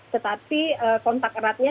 tetapi kontak eratnya